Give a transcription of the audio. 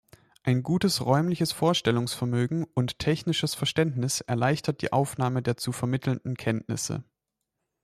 Ein gutes räumliches Vorstellungsvermögen und technisches Verständnis erleichtert die Aufnahme der zu vermittelnden Kenntnisse.